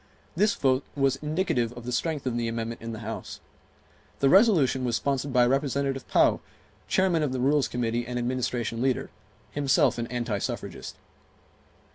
This vote was indicative of the strength of the amendment in the House. The resolution was sponsored by Representative Pou, Chairman of the Rules Committee and Administration leader, himself an anti suffragist.